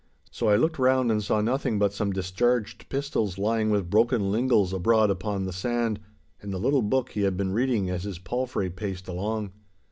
So I looked round and saw nothing but some discharged pistols lying with broken lingels abroad upon the sand, and the little book he had been reading as his palfrey paced along.